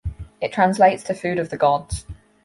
It translates to food of the gods.